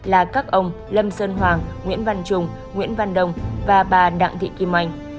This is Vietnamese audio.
là các ông lâm sơn hoàng nguyễn văn trung nguyễn văn đông và bà đặng thị kim anh